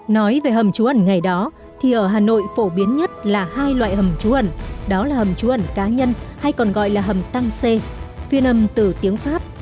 nói về hầm trú ẩn ngày đó thì ở hà nội phổ biến nhất là hai loại hầm trú ẩn đó là hầm trú ẩn cá nhân hay còn gọi là hầm tăng xê phiên hầm từ tiếng pháp